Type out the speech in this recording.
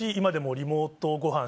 リモートごはん？